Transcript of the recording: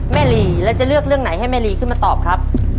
ลีแล้วจะเลือกเรื่องไหนให้แม่ลีขึ้นมาตอบครับ